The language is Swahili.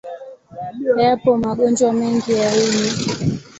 Yapo magonjwa mengi ya ini.